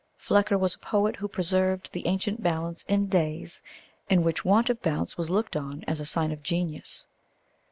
Flecker was a poet who preserved the ancient balance in days in which want of balance was looked on as a sign of genius.